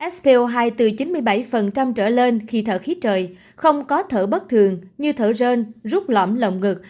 sco hai từ chín mươi bảy trở lên khi thở khí trời không có thở bất thường như thở rơn rút lõm lồng ngực